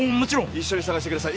一緒に捜してください。